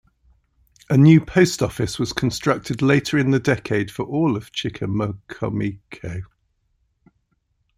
A new post office was constructed later in the decade for all of Chicamacomico.